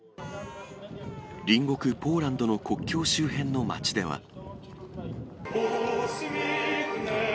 隣国ポーランドの国境周辺の町では。